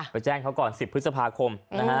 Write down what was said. ไปแจ้งเขาก่อน๑๐พฤศพาคม